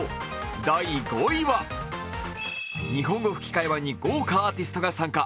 第５位は、日本語吹き替え版に豪華アーティストが参加。